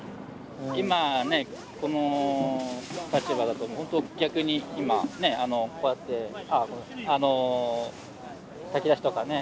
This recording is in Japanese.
今ねこの立場だとほんと逆に今ねこうやってあの炊き出しとかね